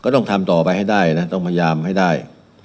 ต้องทำต่อไปให้ได้นะต้องพยายามให้ได้